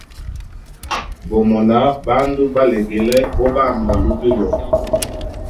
Gomona bandu balegele gobamba lubilo.